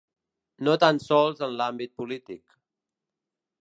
No tan sols en l’àmbit polític.